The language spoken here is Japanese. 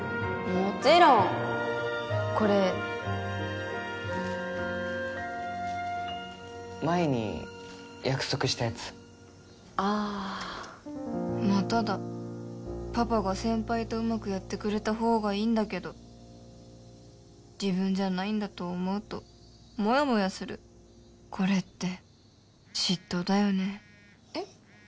もちろんこれ前に約束したやつああまただパパが先輩とうまくやってくれた方がいいんだけど自分じゃないんだと思うとモヤモヤするこれって嫉妬だよねえっ？